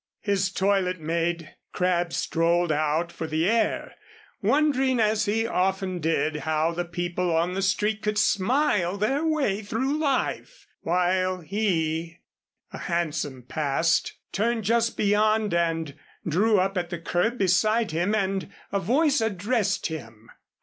His toilet made, Crabb strolled out for the air, wondering as he often did how the people on the street could smile their way through life, while he A hansom passed, turned just beyond and drew up at the curb beside him, and a voice addressed him.